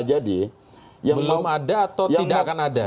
belum ada atau tidak akan ada